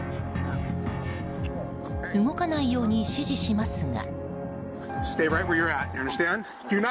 動かないように指示しますが。